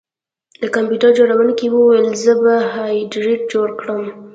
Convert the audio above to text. د کمپیوټر جوړونکي وویل زه به هایبریډ جوړ کړم